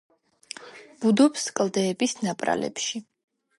ბუდობს კლდეების ნაპრალებში.